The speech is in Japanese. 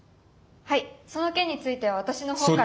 はいその件については私の方から。